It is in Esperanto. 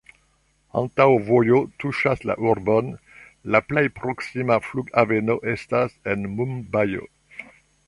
Aŭtovojo tuŝas la urbon, la plej proksima flughaveno estas en Mumbajo.